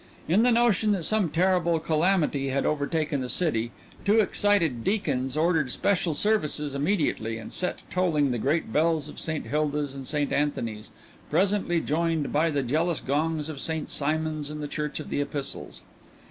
In the notion that some terrible calamity had overtaken the city, two excited deacons ordered special services immediately and set tolling the great bells of St. Hilda's and St. Anthony's, presently joined by the jealous gongs of St. Simon's and the Church of the Epistles.